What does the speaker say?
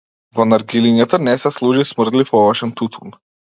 Во наргилињата не се служи смрдлив овошен тутун.